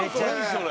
それ！